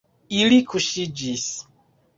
Ili kuŝiĝis.